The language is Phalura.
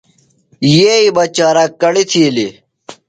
یئی بہ چاراک کڑی تِھیلیۡ۔